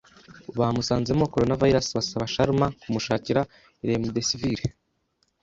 bamusanzemo coronavirus basaba Sharma kumushakira remdesivir.